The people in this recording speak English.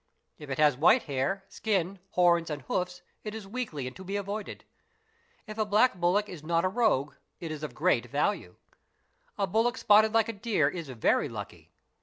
If it has white hair, skin, horns, and hoofs it is weakly and to be avoided. If a black bullock is not a rogue, it is of great value. A bullock spotted hke a deer is very lucky.